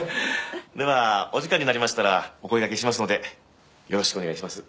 ではお時間になりましたらお声掛けしますのでよろしくお願いします。